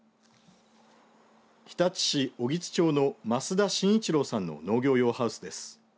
日立市小木津町の増田伸一郎さんの農業用ハウスです。